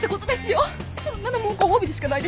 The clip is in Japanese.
そんなのもうご褒美でしかないです。